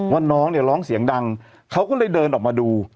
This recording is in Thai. ว่าน้องเนี่ยร้องเสียงดังเขาก็เลยเดินออกมาดู